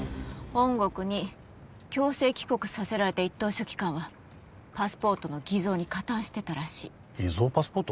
本国に強制帰国させられた一等書記官はパスポートの偽造に加担してたらしい偽造パスポート？